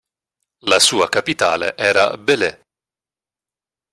La sua capitale era Belley.